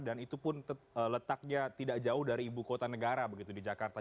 dan itu pun letaknya tidak jauh dari ibu kota negara begitu di jakarta